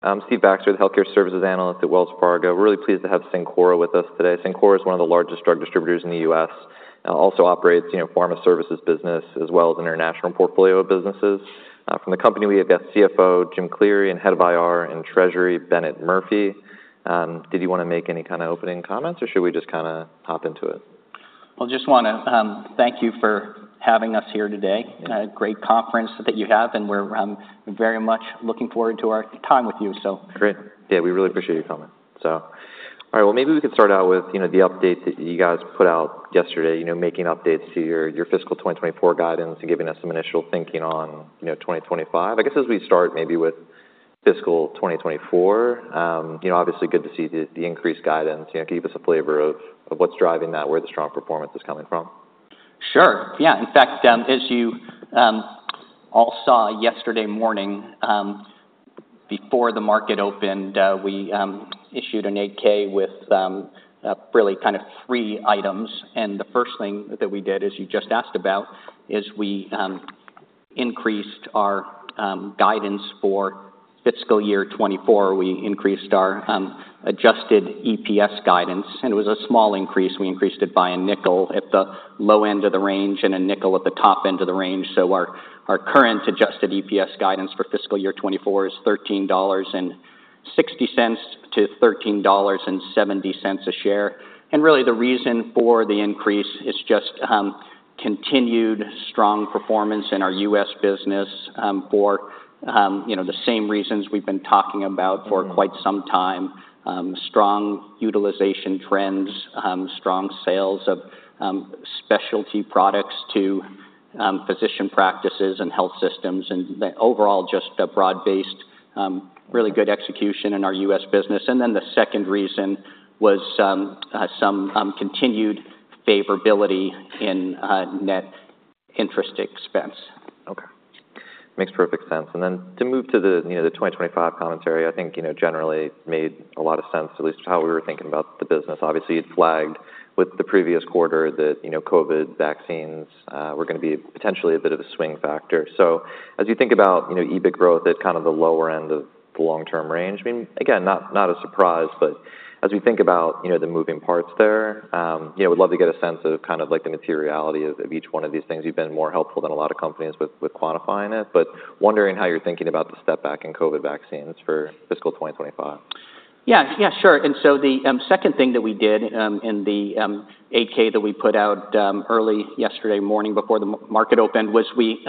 I'm Steve Baxter, the Healthcare Services Analyst at Wells Fargo. Really pleased to have Cencora with us today. Cencora is one of the largest drug distributors in the U.S., also operates, you know, pharma services business, as well as international portfolio of businesses. From the company, we have the CFO, Jim Cleary, and Head of IR and Treasury, Bennett Murphy. Did you wanna make any kind of opening comments, or should we just kinda hop into it? Just wanna thank you for having us here today. Great conference that you have, and we're very much looking forward to our time with you, so. Great. Yeah, we really appreciate you coming, so all right, well, maybe we could start out with, you know, the update that you guys put out yesterday, you know, making updates to your fiscal twenty twenty-four guidance and giving us some initial thinking on, you know, twenty twenty-five. I guess as we start maybe with fiscal twenty twenty-four, you know, obviously good to see the increased guidance. You know, give us a flavor of what's driving that, where the strong performance is coming from. Sure, yeah. In fact, as you all saw yesterday morning before the market opened, we issued an 8-K with really kind of three items, and the first thing that we did, as you just asked about, is we increased our guidance for fiscal year twenty twenty-four. We increased our adjusted EPS guidance, and it was a small increase. We increased it by a nickel at the low end of the range and a nickel at the top end of the range. So our current adjusted EPS guidance for fiscal year twenty twenty-four is $13.60-$13.70 a share, and really the reason for the increase is just continued strong performance in our U.S. business for, you know, the same reasons we've been talking about. Mm-hmm... for quite some time. Strong utilization trends, strong sales of specialty products to physician practices and health systems, and the overall, just a broad-based, really good execution in our U.S. business, and then the second reason was some continued favorability in net interest expense. Okay. Makes perfect sense. And then to move to the, you know, the twenty twenty-five commentary, I think, you know, generally made a lot of sense, at least how we were thinking about the business. Obviously, it flagged with the previous quarter that, you know, COVID vaccines were gonna be potentially a bit of a swing factor. So as you think about, you know, EBIT growth at kind of the lower end of the long-term range, I mean, again, not, not a surprise, but as we think about, you know, the moving parts there, you know, we'd love to get a sense of kind of like the materiality of, of each one of these things. You've been more helpful than a lot of companies with, with quantifying it. But wondering how you're thinking about the step back in COVID vaccines for fiscal twenty twenty-five. Yeah, yeah, sure. And so the second thing that we did in the 8-K that we put out early yesterday morning before the market opened was we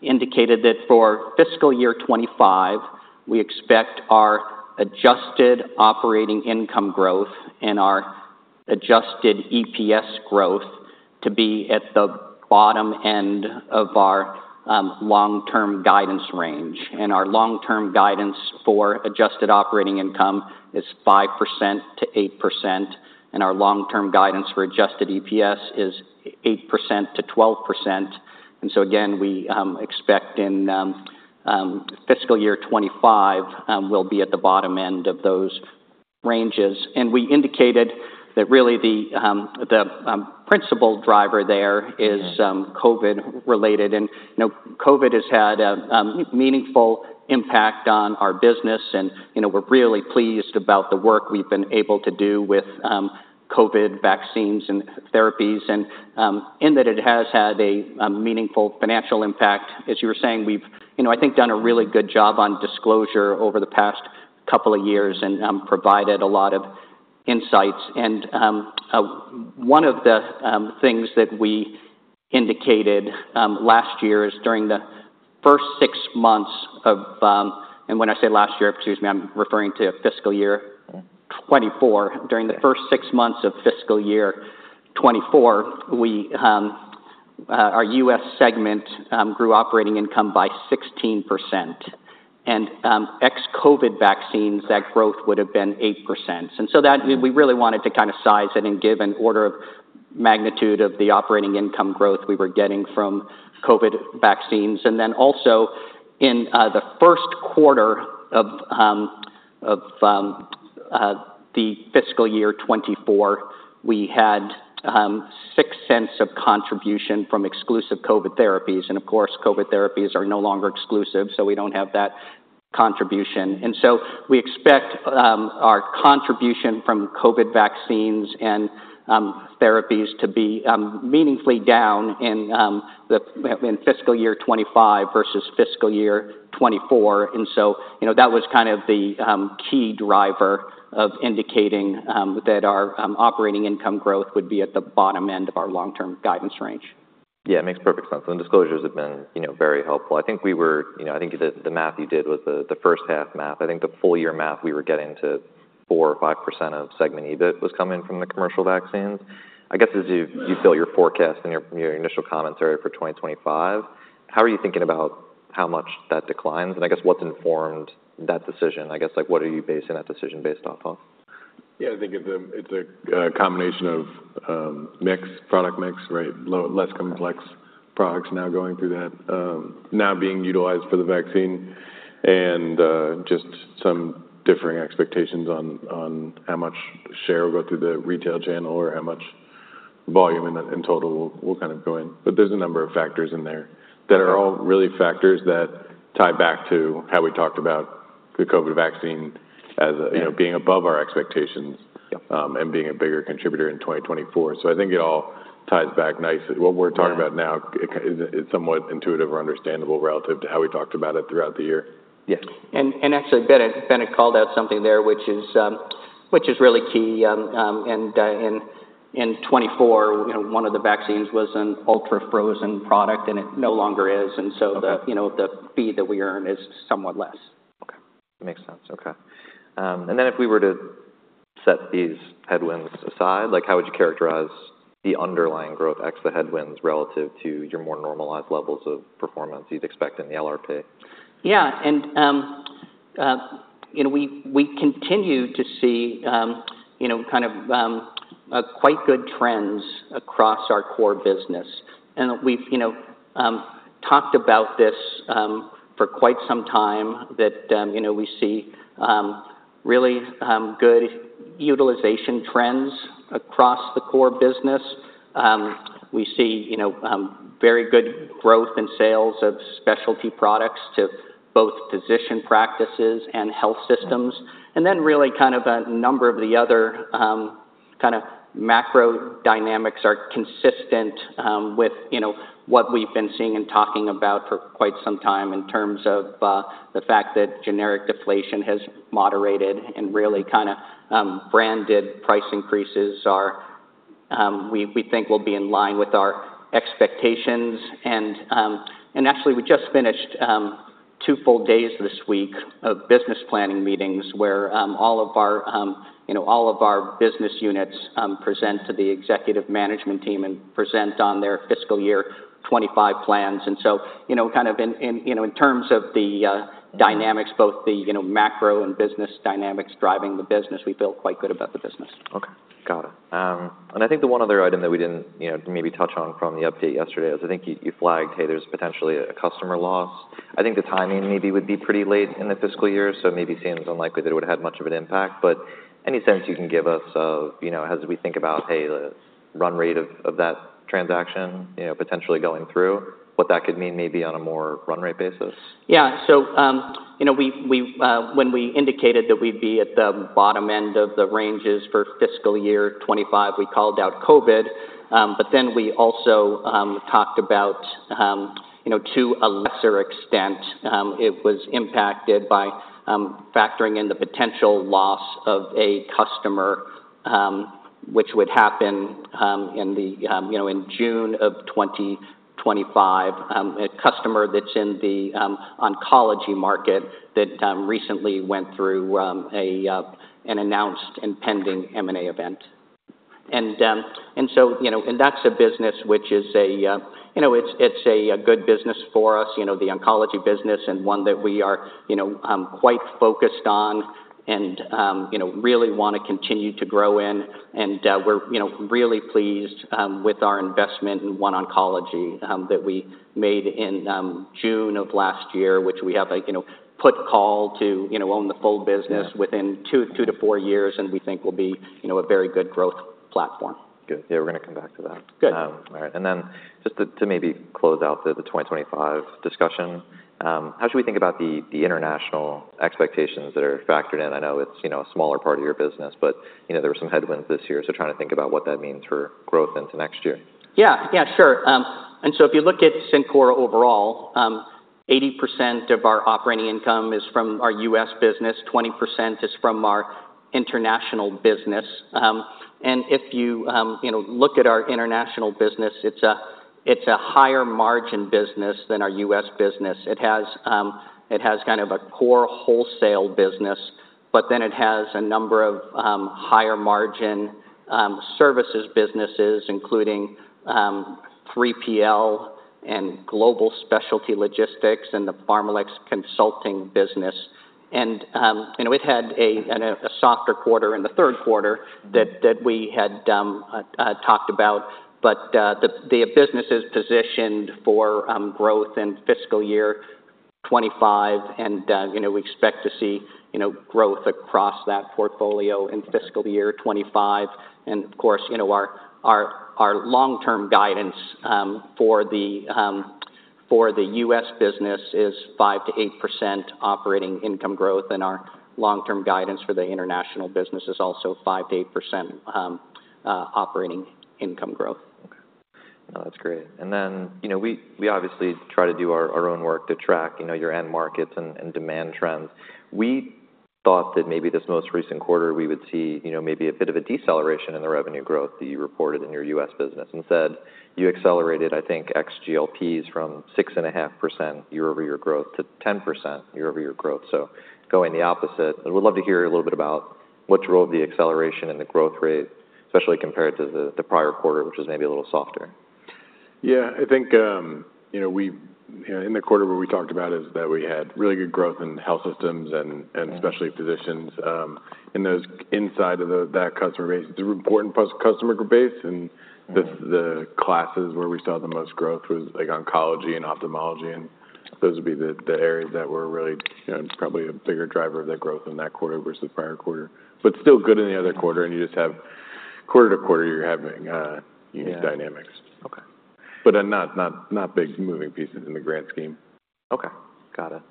indicated that for fiscal year twenty twenty-five we expect our adjusted operating income growth and our adjusted EPS growth to be at the bottom end of our long-term guidance range. And our long-term guidance for adjusted operating income is 5%-8%, and our long-term guidance for adjusted EPS is 8%-12%. And so again we expect in fiscal year twenty twenty-five we'll be at the bottom end of those ranges. And we indicated that really the principal driver there is- Mm-hmm... COVID-related. And, you know, COVID has had a meaningful impact on our business, and, you know, we're really pleased about the work we've been able to do with COVID vaccines and therapies, and in that it has had a meaningful financial impact. As you were saying, we've, you know, I think, done a really good job on disclosure over the past couple of years and provided a lot of insights. And one of the things that we indicated last year is during the first six months of... And when I say last year, excuse me, I'm referring to fiscal year- Mm-hmm... twenty-four. During the first six months of fiscal year twenty-four, we, our U.S. segment, grew operating income by 16%. Ex-COVID vaccines, that growth would have been 8%. Mm-hmm. And so that, we really wanted to kind of size it and give an order of magnitude of the operating income growth we were getting from COVID vaccines. And then also in the Q1 of the fiscal year twenty twenty-four, we had $0.06 of contribution from exclusive COVID therapies. And of course, COVID therapies are no longer exclusive, so we don't have that contribution. And so we expect our contribution from COVID vaccines and therapies to be meaningfully down in fiscal year twenty twenty-five versus fiscal year twenty twenty-four. And so, you know, that was kind of the key driver of indicating that our operating income growth would be at the bottom end of our long-term guidance range. Yeah, it makes perfect sense. The disclosures have been, you know, very helpful. I think we were. You know, I think the math you did was the first half math. I think the full year math, we were getting to 4% or 5% of segment EBIT was coming from the commercial vaccines. I guess, as you fill your forecast and your initial commentary for twenty twenty-five, how are you thinking about how much that declines? And I guess what's informed that decision? I guess, like, what are you basing that decision based off of? Yeah, I think it's a combination of mix, product mix, right? Less complex products now going through that, now being utilized for the vaccine and just some differing expectations on how much share will go through the retail channel or how much volume in total will kind of go in. But there's a number of factors in there that are all really factors that tie back to how we talked about the COVID vaccine as, you know, being above our expectations- Yeah. and being a bigger contributor in twenty twenty-four. So I think it all ties back nicely. What we're talking about now- Yeah is somewhat intuitive or understandable relative to how we talked about it throughout the year. Yeah. And actually, Bennett called out something there, which is really key. And in twenty twenty-four, you know, one of the vaccines was an ultra-frozen product, and it no longer is. Okay. And so, you know, the fee that we earn is somewhat less. Okay. Makes sense. Okay. And then if we were to set these headwinds aside, like, how would you characterize the underlying growth ex the headwinds relative to your more normalized levels of performance you'd expect in the LRP? Yeah, and, you know, we continue to see, you know, kind of, a quite good trends across our core business. And we've, you know, talked about this, for quite some time, that, you know, we see, really, good utilization trends across the core business. We see, you know, very good growth in sales of specialty products to both physician practices and health systems. And then really kind of a number of the other, kind of macro dynamics are consistent, with, you know, what we've been seeing and talking about for quite some time in terms of, the fact that generic deflation has moderated and really kind of, branded price increases are, we think will be in line with our expectations. Actually, we just finished two full days this week of business planning meetings, where you know all of our business units present to the executive management team and present on their fiscal year twenty twenty-five plans. You know, kind of in, you know, in terms of the dynamics, both the, you know, macro and business dynamics driving the business, we feel quite good about the business. Okay, got it, and I think the one other item that we didn't, you know, maybe touch on from the update yesterday is I think you flagged, hey, there's potentially a customer loss. I think the timing maybe would be pretty late in the fiscal year, so it maybe seems unlikely that it would've had much of an impact, but any sense you can give us of, you know, as we think about, hey, the run rate of that transaction, you know, potentially going through, what that could mean maybe on a more run rate basis? Yeah. So, you know, we... When we indicated that we'd be at the bottom end of the ranges for fiscal year twenty twenty-five, we called out COVID. But then we also talked about, you know, to a lesser extent, it was impacted by factoring in the potential loss of a customer, which would happen, you know, in June of twenty twenty-five. A customer that's in the oncology market that recently went through an announced and pending M&A event. And so, you know, and that's a business which is a, you know, it's a good business for us, you know, the oncology business, and one that we are, you know, quite focused on and, you know, really want to continue to grow in. We're, you know, really pleased with our investment in OneOncology that we made in June of last year, which we have a, you know, put/call to, you know, own the full business- Yeah within two to four years, and we think will be, you know, a very good growth platform. Good. Yeah, we're gonna come back to that. Good. All right. And then just to maybe close out the twenty twenty-five discussion, how should we think about the international expectations that are factored in? I know it's, you know, a smaller part of your business, but, you know, there were some headwinds this year, so trying to think about what that means for growth into next year. Yeah. Yeah, sure. And so if you look at Cencora overall, 80% of our operating income is from our U.S. business, 20% is from our international business. And if you, you know, look at our international business, it's a, it's a higher margin business than our U.S. business. It has, it has kind of a core wholesale business, but then it has a number of, higher margin, services businesses, including, 3PL and global specialty logistics and the PharmaLex consulting business. And, you know, it had a, a softer quarter in the Q3 that, that we had, talked about. But, the, the business is positioned for, growth in fiscal year twenty twenty-five, and, you know, we expect to see, you know, growth across that portfolio in fiscal year twenty twenty-five. And of course, you know, our long-term guidance for the U.S. business is 5%-8% operating income growth, and our long-term guidance for the international business is also 5%-8% operating income growth. Okay. No, that's great. And then, you know, we, we obviously try to do our, our own work to track, you know, your end markets and, and demand trends. We thought that maybe this most recent quarter we would see, you know, maybe a bit of a deceleration in the revenue growth that you reported in your U.S. business. Instead, you accelerated, I think, ex-GLPs from 6.5% year-over-year growth to 10% year-over-year growth, so going the opposite. And we'd love to hear a little bit about what drove the acceleration and the growth rate, especially compared to the, the prior quarter, which was maybe a little softer. Yeah. I think, you know, we... You know, in the quarter where we talked about is that we had really good growth in health systems and- Yeah and especially physicians in those inside of that customer base. It's an important plus customer base, and- Yeah The classes where we saw the most growth was, like, oncology and ophthalmology, and those would be the areas that were really, you know, probably a bigger driver of the growth in that quarter versus the prior quarter. But still good in the other quarter, and you just have quarter-to-quarter, you're having unique dynamics. Yeah. Okay. ... but, not big moving pieces in the grand scheme. Okay, got it.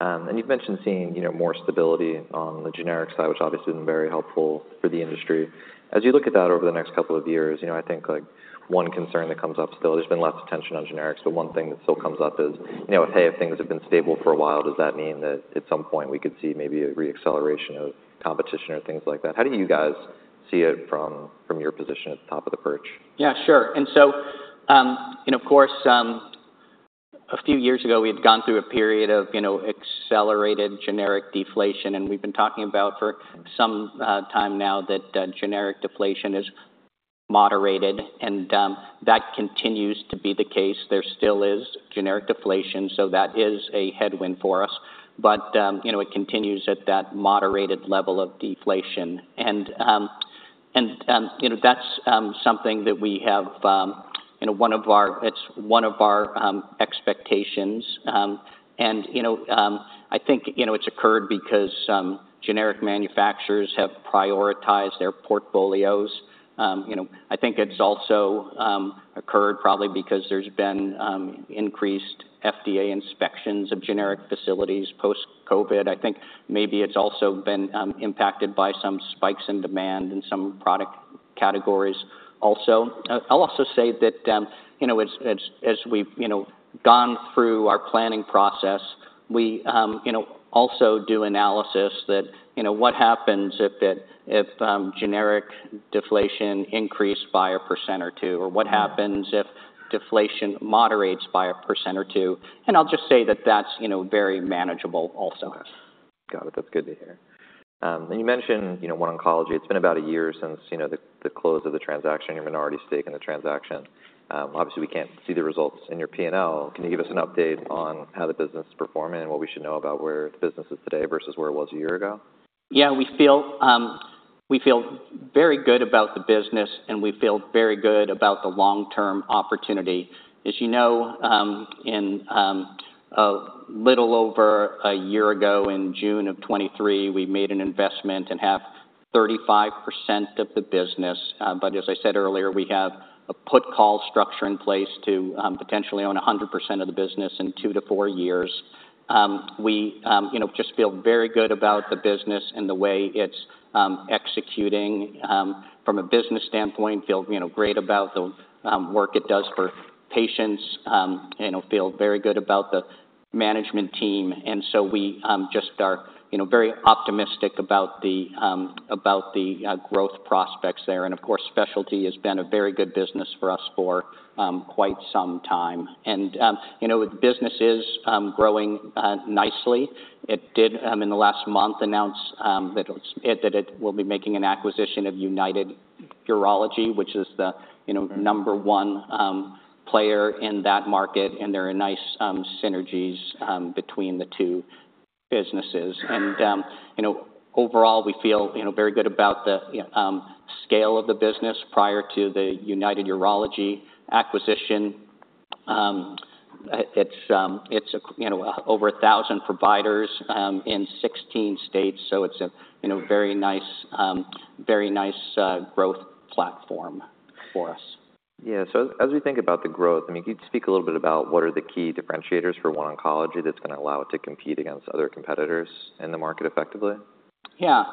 And you've mentioned seeing, you know, more stability on the generic side, which obviously has been very helpful for the industry. As you look at that over the next couple of years, you know, I think, like, one concern that comes up still, there's been less attention on generics, but one thing that still comes up is, you know, "Hey, if things have been stable for a while, does that mean that at some point we could see maybe a re-acceleration of competition or things like that?" How do you guys see it from your position at the top of the perch? Yeah, sure. And so, and of course, a few years ago, we had gone through a period of, you know, accelerated generic deflation, and we've been talking about for some time now that generic deflation is moderated, and that continues to be the case. There still is generic deflation, so that is a headwind for us. But you know, it continues at that moderated level of deflation. And you know, that's something that we have, you know, one of our—it's one of our expectations. And you know, I think, you know, it's occurred because generic manufacturers have prioritized their portfolios. You know, I think it's also occurred probably because there's been increased FDA inspections of generic facilities post-COVID. I think maybe it's also been impacted by some spikes in demand in some product categories also. I'll also say that, you know, as we've, you know, gone through our planning process, we, you know, also do analysis that, you know, what happens if generic deflation increased by 1% or 2%? Or what happens if deflation moderates by 1% or 2%? And I'll just say that that's, you know, very manageable also. Got it. That's good to hear. And you mentioned, you know, OneOncology. It's been about a year since, you know, the close of the transaction, your minority stake in the transaction. Obviously, we can't see the results in your PNL. Can you give us an update on how the business is performing and what we should know about where the business is today versus where it was a year ago? Yeah. We feel, we feel very good about the business, and we feel very good about the long-term opportunity. As you know, in a little over a year ago, in June of twenty twenty-three, we made an investment and have 35% of the business. But as I said earlier, we have a put/call structure in place to potentially own 100% of the business in two to four years. We, you know, just feel very good about the business and the way it's executing from a business standpoint. Feel, you know, great about the work it does for patients. You know, feel very good about the management team, and so we just are, you know, very optimistic about the growth prospects there. Of course, specialty has been a very good business for us for quite some time. You know, the business is growing nicely. It did in the last month announce that it will be making an acquisition of United Urology, which is the number one player in that market, and there are nice synergies between the two businesses. You know, overall, we feel you know very good about the scale of the business prior to the United Urology acquisition. It's you know over a thousand providers in 16 states, so it's a you know very nice growth platform for us. Yeah, so as we think about the growth, I mean, can you speak a little bit about what are the key differentiators for OneOncology that's gonna allow it to compete against other competitors in the market effectively? Yeah.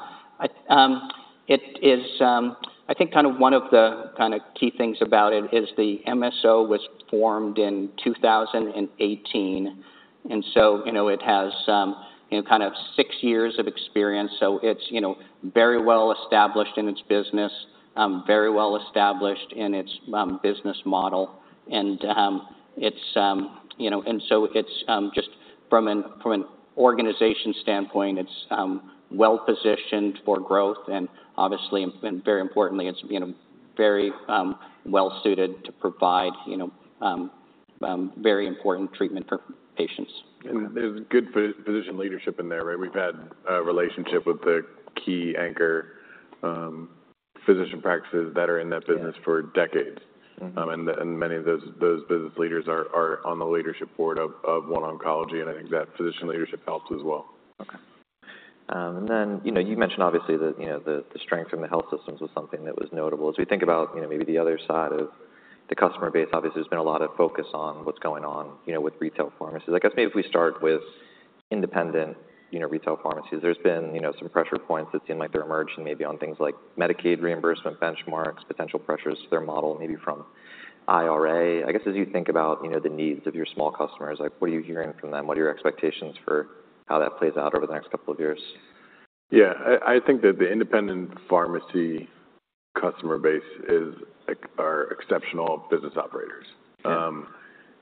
It is. I think kind of one of the kinda key things about it is the MSO was formed in two thousand and eighteen, and so, you know, it has, you know, kind of six years of experience. So it's, you know, very well-established in its business, very well-established in its business model. And it's, you know, and so it's just from an organization standpoint, it's well-positioned for growth and obviously, and, and very importantly, it's, you know, very well suited to provide, you know, very important treatment for patients. There's good physician leadership in there, right? We've had a relationship with the key anchor physician practices that are in that business for decades. Mm-hmm. Many of those business leaders are on the leadership board of OneOncology, and I think that physician leadership helps as well. Okay. And then, you know, you mentioned obviously that, you know, the strength in the health systems was something that was notable. As we think about, you know, maybe the other side of the customer base, obviously, there's been a lot of focus on what's going on, you know, with retail pharmacies. I guess maybe if we start with independent, you know, retail pharmacies, there's been, you know, some pressure points that seem like they're emerging maybe on things like Medicaid reimbursement benchmarks, potential pressures to their model, maybe from IRA. I guess, as you think about, you know, the needs of your small customers, like, what are you hearing from them? What are your expectations for how that plays out over the next couple of years? Yeah, I think that the independent pharmacy customer base is, like, are exceptional business operators. Yeah.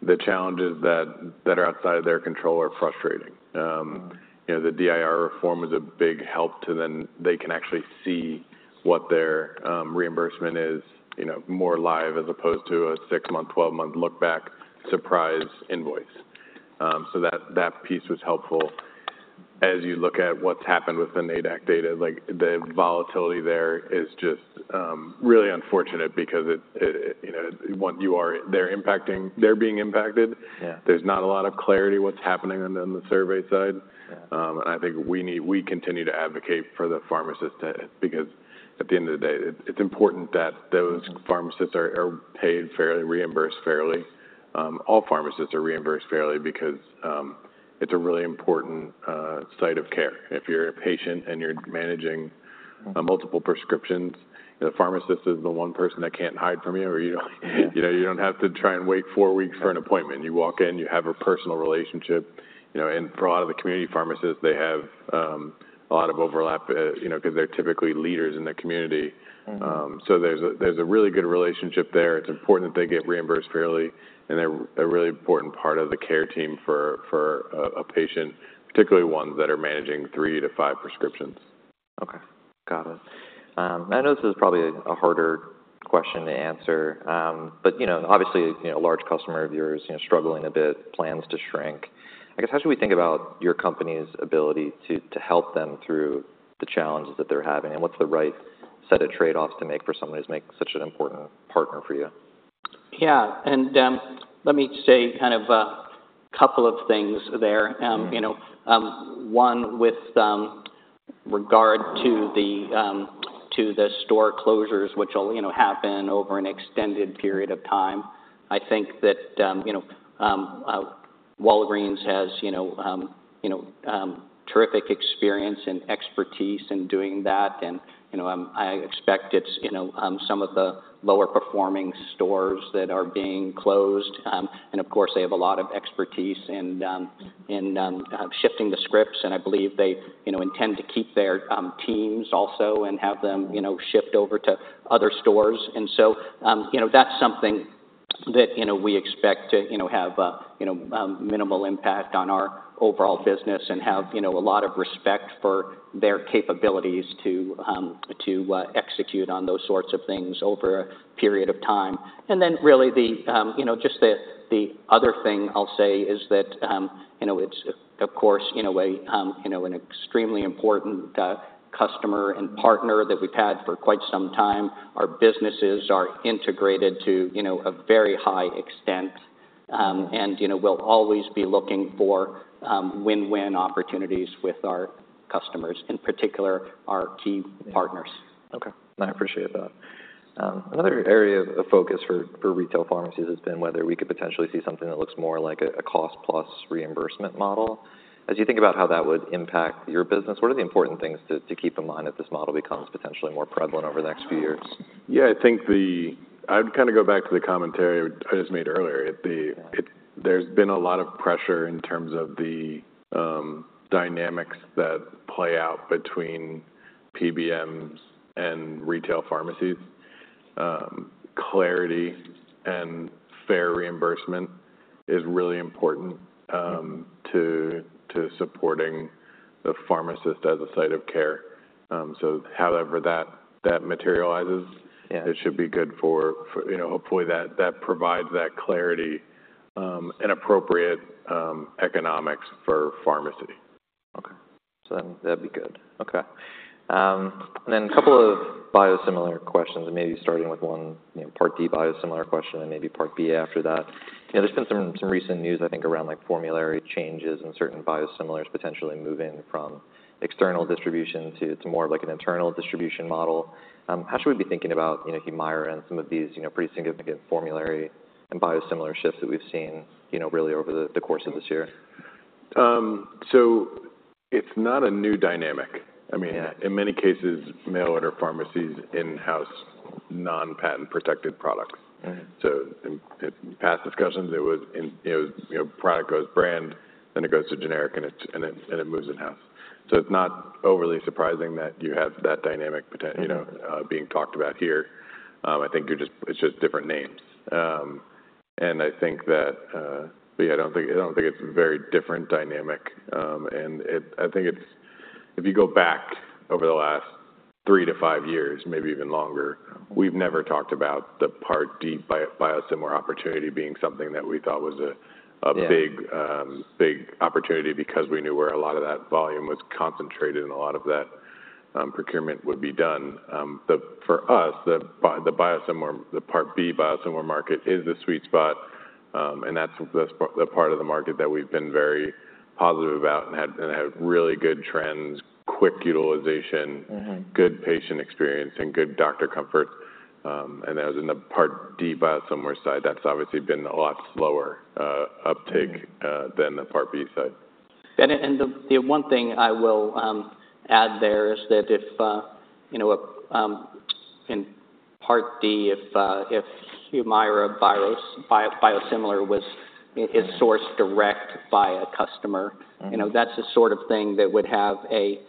The challenges that are outside of their control are frustrating. Mm. You know, the DIR reform is a big help to them. They can actually see what their reimbursement is, you know, more live, as opposed to a six-month, twelve-month look-back, surprise invoice. So that piece was helpful. As you look at what's happened with the NADAC data, like, the volatility there is just really unfortunate because it, you know, they're being impacted. Yeah. There's not a lot of clarity what's happening on the survey side. Yeah. I think we continue to advocate for the pharmacist because at the end of the day, it's important that those pharmacists are paid fairly, reimbursed fairly. All pharmacists are reimbursed fairly because it's a really important site of care. If you're a patient and you're managing- Mm... multiple prescriptions. The pharmacist is the one person that can't hide from you, or you don't, you know, you don't have to try and wait four weeks for an appointment. You walk in, you have a personal relationship, you know, and for a lot of the community pharmacists, they have a lot of overlap, you know, 'cause they're typically leaders in the community. Mm-hmm. So there's a really good relationship there. It's important that they get reimbursed fairly, and they're a really important part of the care team for a patient, particularly ones that are managing three to five prescriptions. Okay, got it. I know this is probably a harder question to answer, but, you know, obviously, you know, a large customer of yours, you know, struggling a bit, plans to shrink. I guess, how should we think about your company's ability to help them through the challenges that they're having, and what's the right set of trade-offs to make for somebody who makes such an important partner for you? Yeah, and, let me say kind of a couple of things there. Mm-hmm. You know, one with regard to the store closures, which will, you know, happen over an extended period of time. I think that, you know, Walgreens has, you know, terrific experience and expertise in doing that, and, you know, I expect it's, you know, some of the lower performing stores that are being closed, and of course, they have a lot of expertise in shifting the scripts, and I believe they, you know, intend to keep their teams also and have them- Mm-hmm... you know, shift over to other stores. And so, you know, that's something that, you know, we expect to, you know, have, you know, minimal impact on our overall business and have, you know, a lot of respect for their capabilities to, to, execute on those sorts of things over a period of time. And then really the, you know, just the, the other thing I'll say is that, you know, it's of course, in a way, you know, an extremely important, customer and partner- Mm-hmm... that we've had for quite some time. Our businesses are integrated to, you know, a very high extent, and, you know, we'll always be looking for win-win opportunities with our customers, in particular, our key partners. Okay, I appreciate that. Another area of focus for retail pharmacies has been whether we could potentially see something that looks more like a cost plus reimbursement model. As you think about how that would impact your business, what are the important things to keep in mind if this model becomes potentially more prevalent over the next few years? Yeah, I think I'd kind of go back to the commentary I just made earlier. Yeah. There's been a lot of pressure in terms of the dynamics that play out between PBMs and retail pharmacies. Clarity and fair reimbursement is really important to supporting the pharmacist as a site of care. So however that materializes- Yeah... it should be good for, you know, hopefully, that provides that clarity and appropriate economics for pharmacy. Okay. So that'd be good. Okay. And then a couple of biosimilar questions, and maybe starting with one, you know, Part D biosimilar question and maybe Part B after that. You know, there's been some recent news, I think, around, like, formulary changes and certain biosimilars potentially moving from external distribution to more of, like, an internal distribution model. How should we be thinking about, you know, Humira and some of these, you know, pretty significant formulary and biosimilar shifts that we've seen, you know, really over the course of this year? So it's not a new dynamic. I mean- Yeah... in many cases, mail-order pharmacies in-house, non-patent-protected products. Mm-hmm. So in past discussions, you know, product goes brand, then it goes to generic, and it moves in-house. So it's not overly surprising that you have that dynamic potentially Mm-hmm. You know, being talked about here. I think you're just—it's just different names. And I think that, yeah, I don't think it's a very different dynamic. And it—I think it's... If you go back over the last three to five years, maybe even longer, we've never talked about the Part D biosimilar opportunity being something that we thought was a big- Yeah... big opportunity because we knew where a lot of that volume was concentrated and a lot of that, procurement would be done. But for us, the biosimilar, the Part B biosimilar market is the sweet spot, and that's the part of the market that we've been very positive about and had really good trends, quick utilization- Mm-hmm... good patient experience, and good doctor comfort. And as in the Part D biosimilar side, that's obviously been a lot slower, uptake- Mm-hmm... than the Part B side. The one thing I will add there is that if you know in Part D, if Humira biosimilar is sourced- Mm-hmm... direct by a customer- Mm-hmm... you know, that's the sort of thing that would have a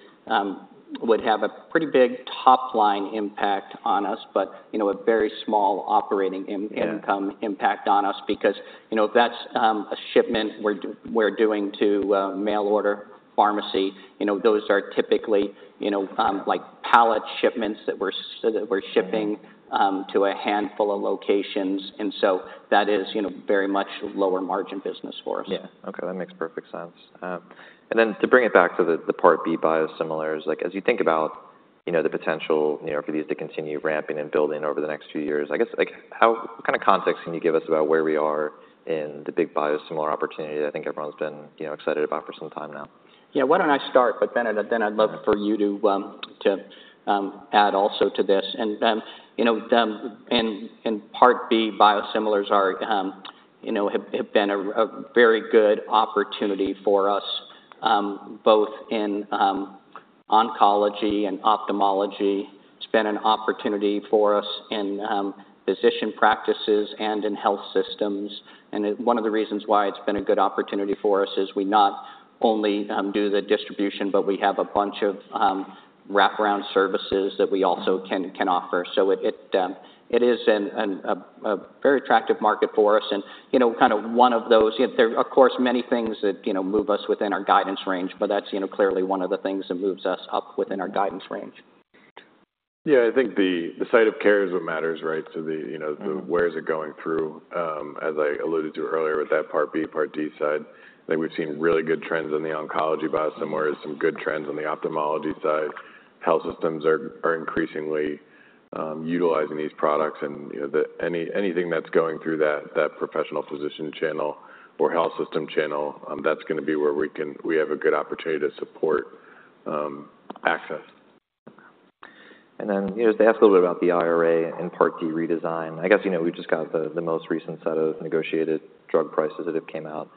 would have a pretty big top-line impact on us, but, you know, a very small operating in- Yeah... income impact on us because, you know, that's a shipment we're doing to mail order pharmacy. You know, those are typically, you know, like pallet shipments that we're shipping- Mm-hmm... to a handful of locations, and so that is, you know, very much lower margin business for us. Yeah. Okay, that makes perfect sense. And then to bring it back to the Part B biosimilars, like, as you think about, you know, the potential, you know, for these to continue ramping and building over the next few years, I guess, like, what kind of context can you give us about where we are in the big biosimilar opportunity that I think everyone's been, you know, excited about for some time now? Yeah. Why don't I start, but then I'd love- Yeah... for you to add also to this. And then, you know, in Part B, biosimilars have been a very good opportunity for us, both in oncology and ophthalmology. It's been an opportunity for us in physician practices and in health systems. And it, one of the reasons why it's been a good opportunity for us is we not only do the distribution, but we have a bunch of wraparound services that we also can offer. So it is a very attractive market for us, and, you know, kind of one of those, you know, there are, of course, many things that, you know, move us within our guidance range, but that's, you know, clearly one of the things that moves us up within our guidance range. Yeah, I think the site of care is what matters, right? So the, you know- Mm-hmm... where is it going through, as I alluded to earlier, with that Part B, Part D side. I think we've seen really good trends in the oncology biosimilar and some good trends on the ophthalmology side. Health systems are increasingly utilizing these products, and, you know, anything that's going through that professional physician channel or health system channel, that's gonna be where we have a good opportunity to support access. And then, you know, they asked a little bit about the IRA and Part D redesign. I guess, you know, we just got the most recent set of negotiated drug prices that have came out.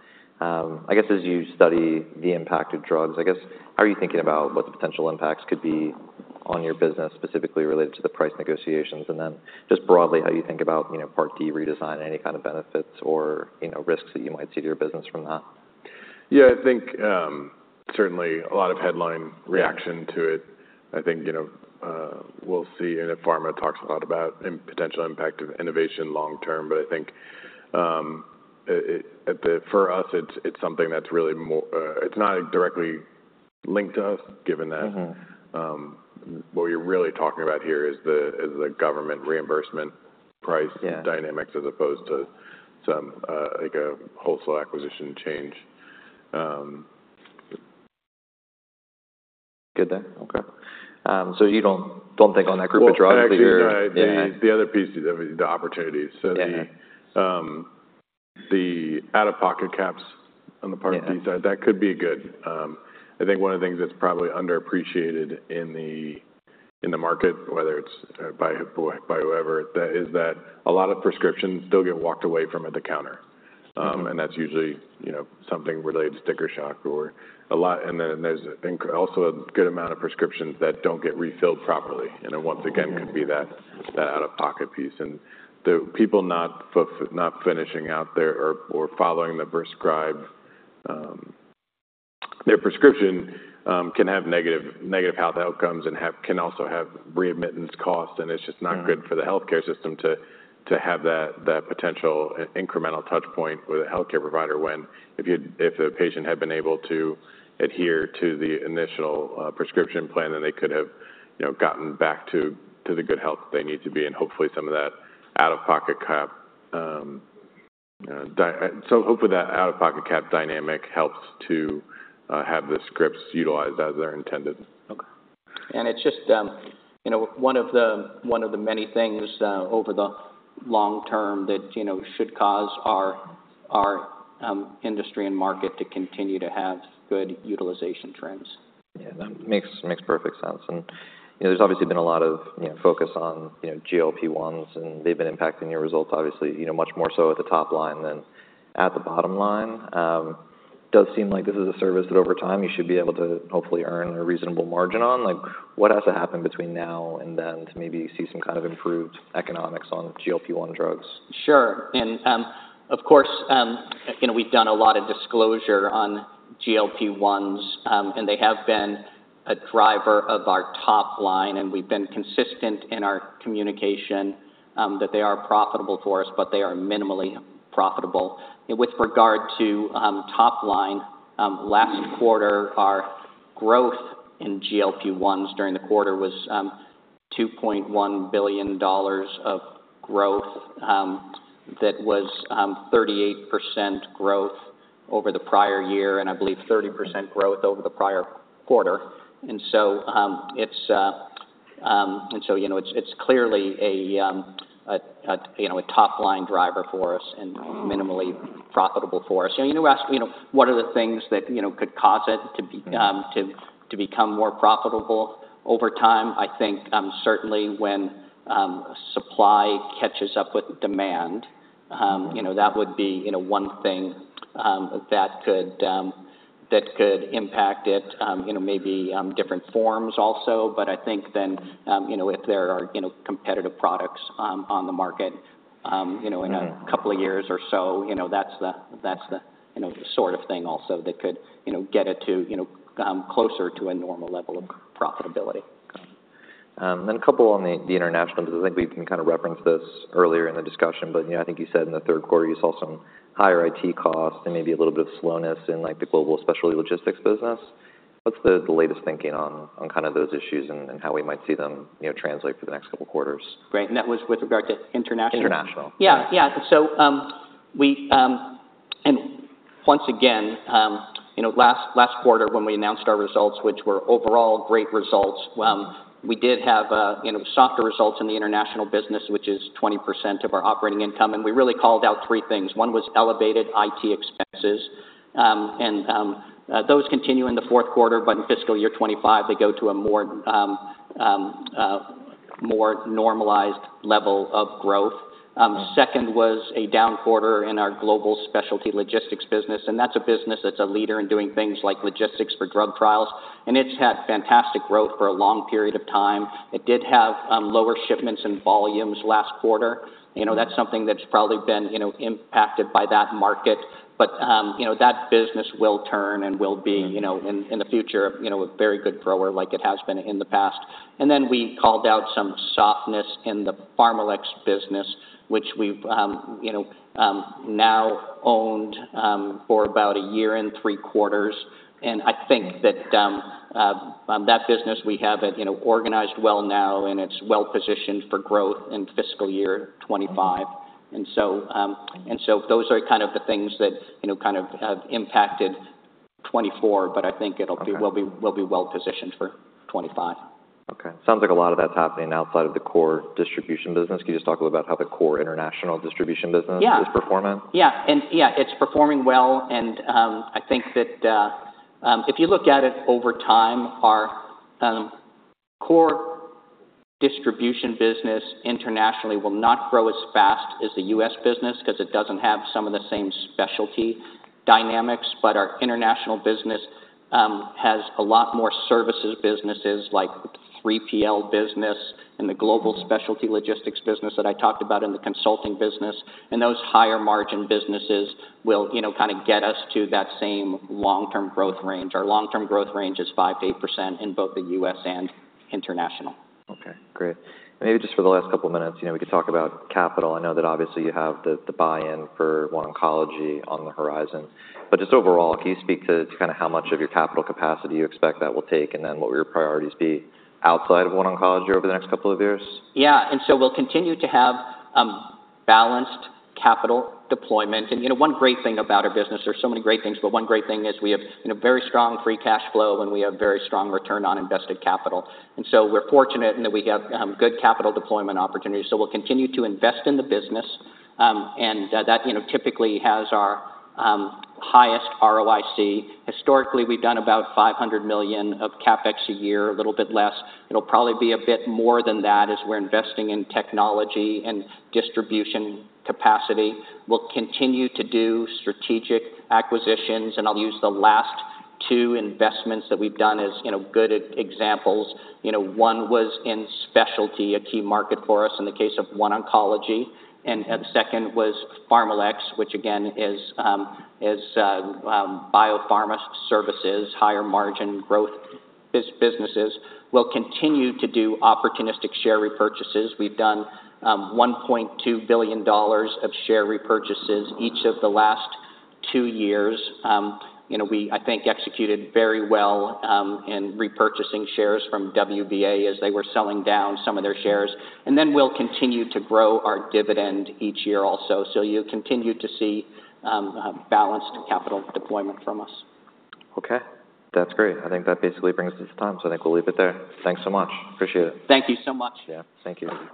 I guess, as you study the impact of drugs, I guess, how are you thinking about what the potential impacts could be on your business, specifically related to the price negotiations? And then, just broadly, how you think about, you know, Part D redesign, any kind of benefits or, you know, risks that you might see to your business from that? Yeah, I think, certainly a lot of headline reaction to it. I think, you know, we'll see, and pharma talks a lot about potential impact of innovation long term. But I think, for us, it's something that's really more... It's not directly linked to us, given that- Mm-hmm... what we're really talking about here is the government reimbursement price- Yeah - dynamics, as opposed to some, like, a wholesale acquisition change. Good then. Okay, so you don't think on that group of drugs that you're- Well, actually, the- Yeah... the other piece, the opportunities. Yeah. So the out-of-pocket caps on the Part D side- Yeah... that could be good. I think one of the things that's probably underappreciated in the market, whether it's by whoever, that is that a lot of prescriptions still get walked away from at the counter. Mm-hmm. And that's usually, you know, something related to sticker shock or a lot... And then there's, I think, also a good amount of prescriptions that don't get refilled properly, and then once again- Mm-hmm... could be that out-of-pocket piece. And the people not finishing out their or following the prescribed their prescription can have negative health outcomes and can also have readmittance costs, and it's just not- Mm-hmm... good for the healthcare system to have that potential incremental touch point with a healthcare provider when, if a patient had been able to adhere to the initial prescription plan, then they could have, you know, gotten back to the good health they need to be in. Hopefully, some of that out-of-pocket cap, so hopefully, that out-of-pocket cap dynamic helps to have the scripts utilized as they're intended. Okay. It's just, you know, one of the many things over the long term that, you know, should cause our industry and market to continue to have good utilization trends. Yeah, that makes perfect sense, and, you know, there's obviously been a lot of, you know, focus on, you know, GLP-1s, and they've been impacting your results obviously, you know, much more so at the top line than at the bottom line. Does seem like this is a service that, over time, you should be able to hopefully earn a reasonable margin on. Like, what has to happen between now and then to maybe see some kind of improved economics on GLP-1 drugs? Sure. And, of course, you know, we've done a lot of disclosure on GLP-1s, and they have been a driver of our top line, and we've been consistent in our communication, that they are profitable for us, but they are minimally profitable. With regard to top line, last quarter, our growth in GLP-1s during the quarter was $2.1 billion of growth, that was 38% growth over the prior year, and I believe 30% growth over the prior quarter. And so, it's and so, you know, it's clearly a you know, a top-line driver for us and minimally profitable for us. You know, you ask, you know, what are the things that, you know, could cause it to be- Mm-hmm... to become more profitable over time? I think certainly when supply catches up with demand, Mm-hmm... you know, that would be, you know, one thing, that could impact it. You know, maybe, different forms also, but I think then, you know, if there are, you know, competitive products, on the market, you know- Mm-hmm... in a couple of years or so, you know, that's the sort of thing also that could, you know, get it to, you know, closer to a normal level of profitability. Then, a couple on the international. I think we've kind of referenced this earlier in the discussion, but, you know, I think you said in the Q3 you saw some higher IT costs and maybe a little bit of slowness in, like, the global specialty logistics business. What's the latest thinking on kind of those issues and how we might see them, you know, translate for the next couple of quarters? Right, and that was with regard to international? International. Yeah, yeah. So, we... And once again, you know, last, last quarter, when we announced our results, which were overall great results, we did have, you know, softer results in the international business, which is 20% of our operating income, and we really called out three things. One was elevated IT expenses, and, those continue in the Q4, but in fiscal year twenty twenty-five, they go to a more... more normalized level of growth. Second was a down quarter in our global specialty logistics business, and that's a business that's a leader in doing things like logistics for drug trials, and it's had fantastic growth for a long period of time. It did have lower shipments and volumes last quarter. You know, that's something that's probably been, you know, impacted by that market. But, you know, that business will turn and will be, you know, in the future, you know, a very good grower like it has been in the past. And then we called out some softness in the PharmaLex business, which we've, you know, now owned for about a year and Q3. And I think that business, we have it, you know, organized well now, and it's well-positioned for growth in fiscal year twenty-five. And so those are kind of the things that, you know, kind of have impacted twenty-four, but I think we'll be well positioned for twenty-five. Okay. Sounds like a lot of that's happening outside of the core distribution business. Can you just talk a little about how the core international distribution business? Yeah -is performing? Yeah. And, yeah, it's performing well, and, I think that, if you look at it over time, our core distribution business internationally will not grow as fast as the U.S. business because it doesn't have some of the same specialty dynamics. But our international business has a lot more services, businesses like 3PL business and the global specialty logistics business that I talked about in the consulting business, and those higher margin businesses will, you know, kind of get us to that same long-term growth range. Our long-term growth range is 5%-8% in both the U.S. and international. Okay, great. Maybe just for the last couple of minutes, you know, we could talk about capital. I know that obviously you have the buy-in for OneOncology on the horizon. But just overall, can you speak to kind of how much of your capital capacity you expect that will take, and then what will your priorities be outside of OneOncology over the next couple of years? Yeah. And so we'll continue to have balanced capital deployment. And, you know, one great thing about our business, there's so many great things, but one great thing is we have, you know, very strong free cash flow, and we have very strong return on invested capital. And so we're fortunate in that we have good capital deployment opportunities. So we'll continue to invest in the business, and that, you know, typically has our highest ROIC. Historically, we've done about $500 million of CapEx a year, a little bit less. It'll probably be a bit more than that as we're investing in technology and distribution capacity. We'll continue to do strategic acquisitions, and I'll use the last two investments that we've done as, you know, good examples. You know, one was in specialty, a key market for us in the case of OneOncology, and the second was PharmaLex, which again, is biopharma services, higher margin growth businesses. We'll continue to do opportunistic share repurchases. We've done $1.2 billion of share repurchases each of the last two years. You know, we, I think, executed very well in repurchasing shares from WBA as they were selling down some of their shares. And then we'll continue to grow our dividend each year also. So you'll continue to see balanced capital deployment from us. Okay. That's great. I think that basically brings us to time, so I think we'll leave it there. Thanks so much. Appreciate it. Thank you so much. Yeah. Thank you.